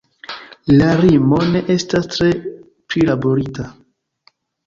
La rimo ne estas tre prilaborita.